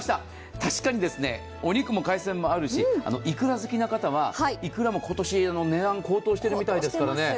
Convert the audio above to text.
確かにお肉も海鮮もあるし、いくら好きな方はいくらも今年、値段が高騰しているみたいですからね。